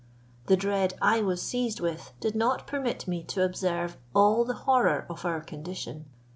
The dread I was seized with did not permit me to observe all the horror of our condition.